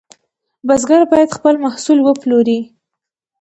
بزګر باید خپل محصول وپلوري.